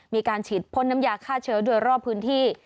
มีการฉีดพ่นน้ำยาฆ่าเชื้อโดยรอบพื้นที่